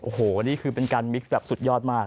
โอ้โหนี่คือเป็นการมิกซ์แบบสุดยอดมาก